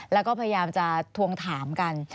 แล้วก็พยายามจะทวงถามกัน